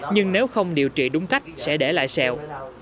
nhưng nếu không điều trị đúng cách sẽ để lại sẹo